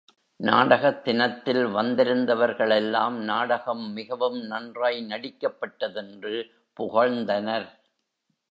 நாடகத் தினத்தில் வந்திருந்தவர்களெல்லாம் நாடகம் மிகவும் நன்றாய் நடிக்கப்பட்டதென்று புகழ்ந்தனர்.